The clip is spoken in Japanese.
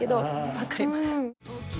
わかります。